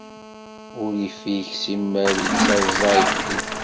Urrif-ik, simmal ittaẓẓay fell-i.